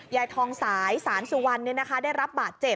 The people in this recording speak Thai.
ยายทองสายสานสุวรรณ์นี่นะคะได้รับบาดเจ็บ